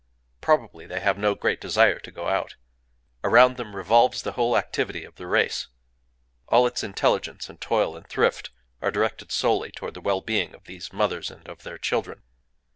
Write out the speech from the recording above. Probably they have no great desire to go out. Around them revolves the whole activity of the race: all its intelligence and toil and thrift are directed solely toward the well being of these Mothers and of their children.